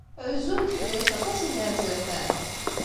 Rezzun-d fell-ak aṭas n yinerzafen?